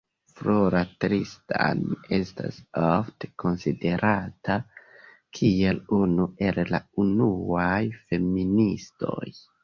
Flora Tristan estas ofte konsiderata kiel unu el la unuaj feministoj.